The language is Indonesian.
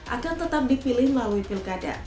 akan tetap dipilih melalui pilkada